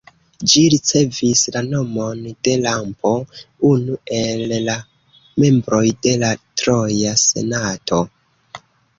Ĝi ricevis la nomon de Lampo, unu el la membroj de la troja senato.